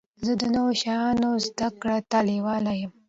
زه د نوو شیانو زده کړي ته لېواله يم.